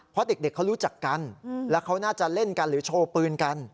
เพราะเด็กเขารู้จักกันแล้วเขาน่าจะเล่นกันหรือโชว์ปืนกัน